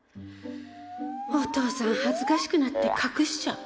おとうさん恥ずかしくなって隠しちゃう。